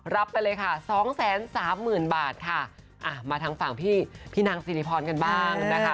รับไปเลยค่ะ๒๓๐๐๐๐บาทค่ะมาทางฝั่งพี่พี่นางสิริพรกันบ้างนะคะ